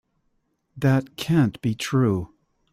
That can't be true.